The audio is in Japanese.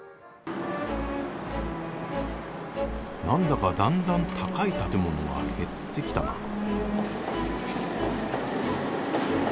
何だかだんだん高い建物が減ってきたな。